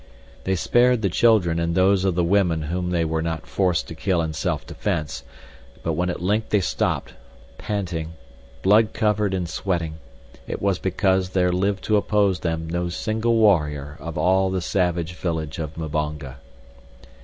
They spared the children and those of the women whom they were not forced to kill in self defense, but when at length they stopped, parting, blood covered and sweating, it was because there lived to oppose them no single warrior of all the savage village of Mbonga.